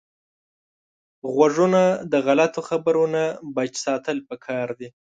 غوږونه د غلطو خبرو نه بچ ساتل پکار دي